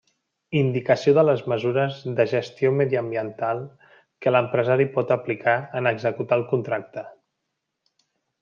Indicació de les mesures de gestió mediambiental que l'empresari pot aplicar en executar el contracte.